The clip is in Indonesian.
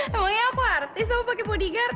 emangnya apa artis sama pakai bodyguard